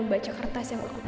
endasamakan kalian para peneliti